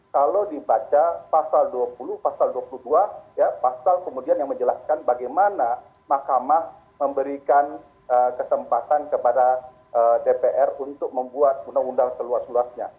kalau dibaca pasal dua puluh pasal dua puluh dua pasal kemudian yang menjelaskan bagaimana mahkamah memberikan kesempatan kepada dpr untuk membuat undang undang seluas luasnya